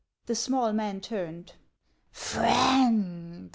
The small man turned. " Friend